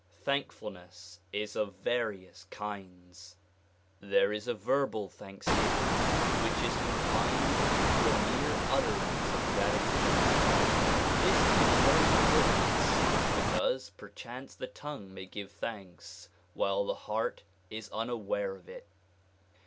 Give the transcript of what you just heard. Thankfulness is of various kinds. There is a verbal thanks giving which is confined to a mere utterance of gratitude. This is of no importance because perchance the tongue may give thanks while the heart is unaware of it.